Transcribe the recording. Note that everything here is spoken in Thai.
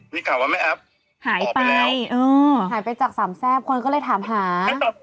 มีข่าวว่าแม่แอฟหายไปเออหายไปหายไปจากสามแซ่บคนก็เลยถามหา